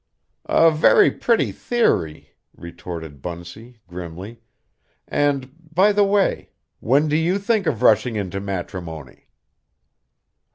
"A very pretty theory," retorted Bunsey, grimly; "and, by the way, when do you think of rushing into matrimony?"